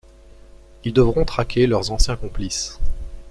Ils devront traquer leurs anciens complices.